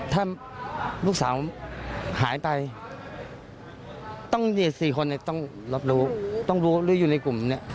ถ้าลูกสาวหายไปสี่คนต้องรับรู้ต้องรู้อยู่ในกลุ่มนี้